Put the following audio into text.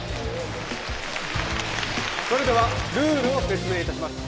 それではルールを説明いたします